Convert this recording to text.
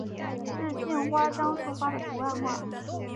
是县花樟树花的图案化。